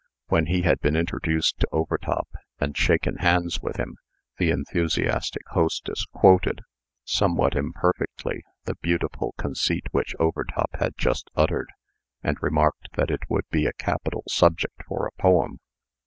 When he had been introduced to Overtop, and shaken hands with him, the enthusiastic hostess quoted, somewhat imperfectly, the beautiful conceit which Overtop had just uttered, and remarked that it would be a capital subject for a poem.